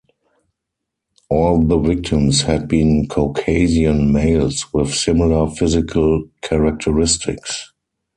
All the victims had been Caucasian males with similar physical characteristics.